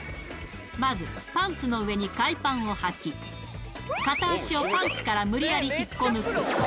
まず、パンツの上に海パンをはき、片足をパンツから無理やり引っこ抜く。